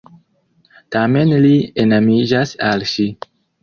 Tamen li enamiĝas al ŝi.